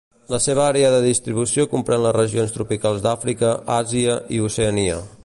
La seva àrea de distribució comprèn les regions tropicals d'Àfrica, Àsia i Oceania.